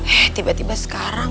eh tiba tiba sekarang